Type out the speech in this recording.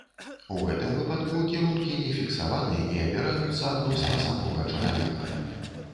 У гэтым выпадку кірункі не фіксаваны і абіраюцца адносна самога чалавека.